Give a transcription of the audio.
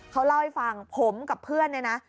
เขาเล่าให้ฟังผมกับเพื่อนเนี่ยนะ